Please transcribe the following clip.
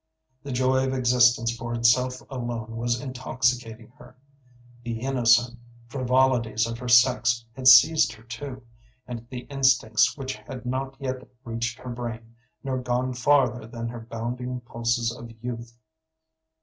The joy of existence for itself alone was intoxicating her. The innocent frivolities of her sex had seized her too, and the instincts which had not yet reached her brain nor gone farther than her bounding pulses of youth.